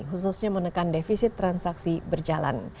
khususnya menekan defisit transaksi berjalan